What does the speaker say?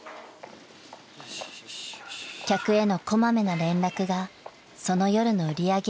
［客への小まめな連絡がその夜の売り上げを左右します］